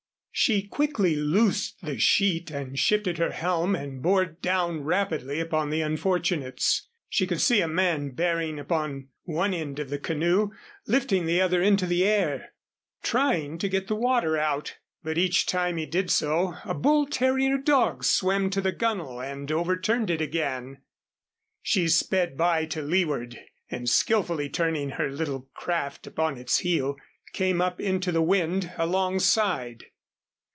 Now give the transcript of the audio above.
She quickly loosed the sheet and shifted her helm and bore down rapidly upon the unfortunates. She could see a man bearing upon one end of the canoe lifting the other into the air, trying to get the water out; but each time he did so, a bull terrier dog swam to the gunwale and overturned it again. She sped by to leeward and, skilfully turning her little craft upon its heel, came up into the wind alongside.